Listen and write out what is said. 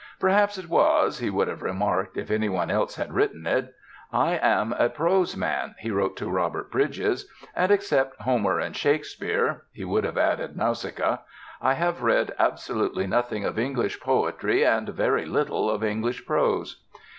"Perhaps it was," he would have remarked, if any one else had written it. "I am a prose man," he wrote to Robert Bridges, "and, except Homer and Shakespeare" he should have added Nausicaa "I have read absolutely nothing of English poetry and very little of English prose."